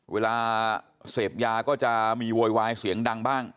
เวลาเสพยาก็จะมีโวยวายเสียงดังบ้าง